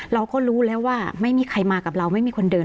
เราก็รู้แล้วว่าไม่มีใครมากับเราไม่มีคนเดิน